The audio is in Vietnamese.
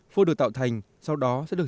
phôi được tạo thành sau đó sẽ được